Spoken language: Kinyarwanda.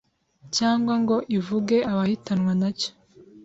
cyangwa ngo ivuge abahitanwa nacyo